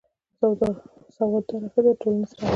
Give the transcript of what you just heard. سواد داره ښځه د ټولنې څراغ ده